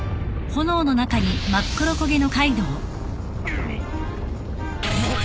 うっ！